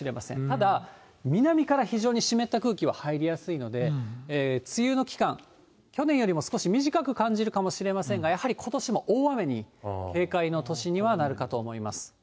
ただ、南から非常に湿った空気は入りやすいので、梅雨の期間、去年よりも少し短く感じるかもしれませんが、やはりことしも大雨に警戒の年にはなるかと思います。